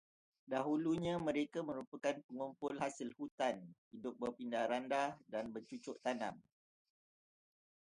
Dahulunya mereka merupakan pengumpul hasil hutan, hidup berpindah-randah, dan bercucuk tanam.